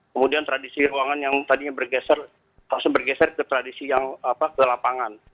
kemudian tradisi ruangan yang tadinya bergeser langsung bergeser ke tradisi yang ke lapangan